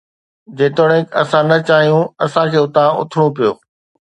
جيتوڻيڪ اسان نه چاهيو، اسان کي اتان اٿڻو پيو